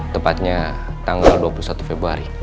tepatnya tanggal dua puluh satu februari